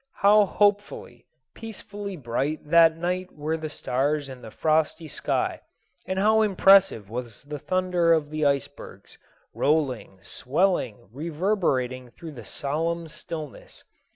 How hopefully, peacefully bright that night were the stars in the frosty sky, and how impressive was the thunder of the icebergs, rolling, swelling, reverberating through the solemn stillness!